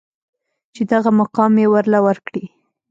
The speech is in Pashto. چې دغه مقام يې ورله ورکړې.